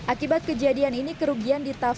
akibat kejadian ini kerugian ditafsir